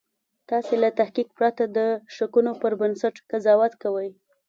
تاسې له تحقیق پرته د شکونو پر بنسټ قضاوت کوئ